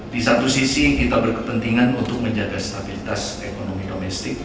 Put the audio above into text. di satu sisi kita berkepentingan untuk menjaga stabilitas ekonomi domestik